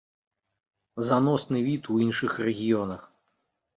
Заносны від у іншых рэгіёнах.